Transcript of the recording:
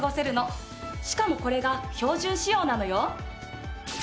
しかもこれが標準仕様なのよ。